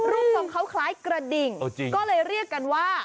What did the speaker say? ทรงเขาคล้ายกระดิ่งก็เลยเรียกกันว่า